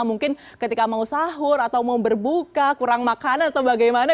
mungkin ketika mau sahur atau mau berbuka kurang makanan atau bagaimana